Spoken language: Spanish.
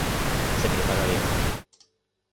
Se prepara bien.